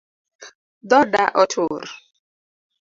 Dhoda otur